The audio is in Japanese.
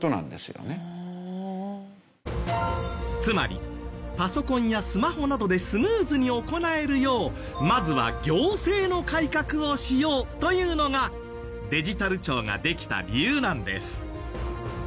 つまりパソコンやスマホなどでスムーズに行えるようまずは行政の改革をしようというのがデジタル庁ができた理由なんです。